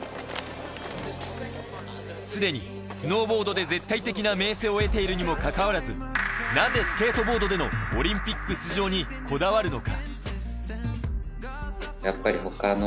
すでにスノーボードで絶対的な名声を得ているにもかかわらず、なぜスケートボードでのオリンピック出場にこだわるのか？